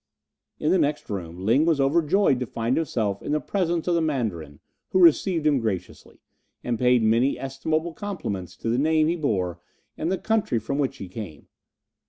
In the next room Ling was overjoyed to find himself in the presence of the Mandarin, who received him graciously, and paid many estimable compliments to the name he bore and the country from which he came.